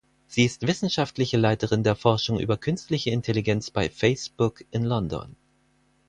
Sie ist wissenschaftliche Leiterin der Forschung über künstliche Intelligenz bei Facebook in London.